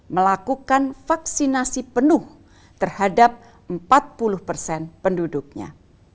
melakukan vaksinasi penuh terhadap empat puluh persen penduduknya